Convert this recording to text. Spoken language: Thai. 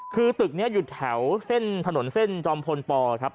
คือตึกนี้อยู่แถวเส้นถนนเส้นจอมพลปครับ